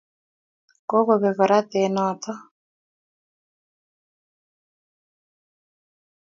Kokobek choraret notok